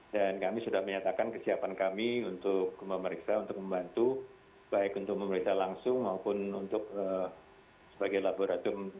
dan kami sudah menyatakan kesiapan kami untuk pemeriksa untuk membantu baik untuk pemeriksa langsung maupun untuk sebagai laboratorium